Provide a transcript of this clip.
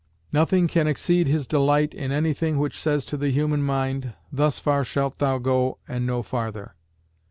Nothing can exceed his delight in anything which says to the human mind, Thus far shalt thou go and no farther.